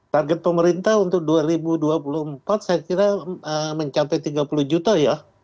target pemerintah untuk dua ribu dua puluh empat saya kira mencapai tiga puluh juta ya